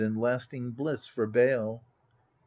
And lasting bliss for bale.